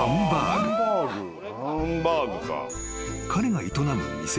［彼が営む店